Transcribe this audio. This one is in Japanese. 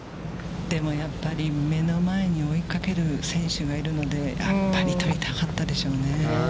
でも、やっぱり目の前に追いかける選手がいるので、やっぱり取りたかったでしょうね。